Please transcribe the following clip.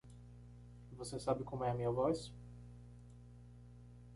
Você sabe como é a minha voz?